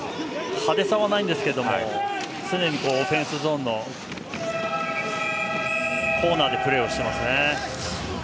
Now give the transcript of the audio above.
派手さはないですが常にオフェンスゾーンのコーナーでプレーをしていますね。